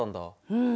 うん。